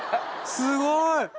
すごい！